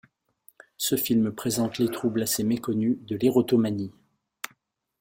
Ce film présente les troubles assez méconnus de l'érotomanie.